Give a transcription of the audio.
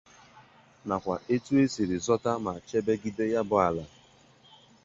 nakwa etu e siri zọta ma chebegide ya bụ ala